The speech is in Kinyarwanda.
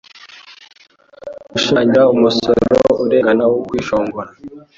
Gushimangira umusoro urengana wo kwishongora.